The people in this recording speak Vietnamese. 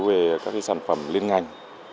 về các sản phẩm liên ngành